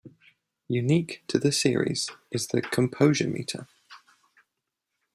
Unique to the series is the Composure Meter.